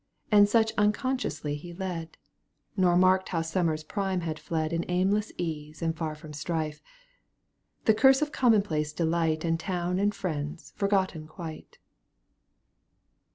And such unconsciously he led. Nor marked how summer's prime had fled In aimless ease and far from strife. The curse of commonplace delight And town and friends forgotteu quite.